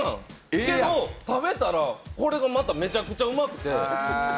でも、食べたらこれがまた、めちゃくちゃうまくて。